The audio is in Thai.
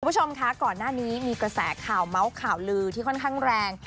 คุณผู้ชมคะก่อนหน้านี้มีกระแสข่าวเมาส์ข่าวลือที่ค่อนข้างแรง